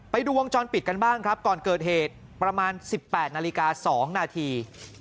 ไปดูวงจรปิดกันบ้างครับก่อนเกิดเหตุประมาณ๑๘นาฬิกา๒นาที